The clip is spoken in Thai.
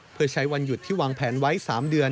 เพื่อใช้วันหยุดที่วางแผนไว้๓เดือน